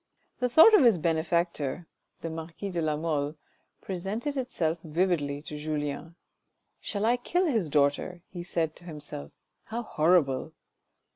The thought of his benefactor — the marquis de la Mole — presented itself vividly to Julien. " Shall I kill his daughter ?" he said to himself, " how horrible."